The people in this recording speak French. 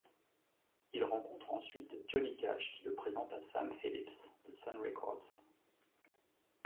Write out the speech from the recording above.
Il rencontre ensuite Johnny Cash qui le présente à Sam Phillips de Sun Records.